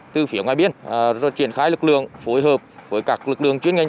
từ phía ngoài biên rồi triển khai lực lượng phối hợp với các lực lượng chuyên ngành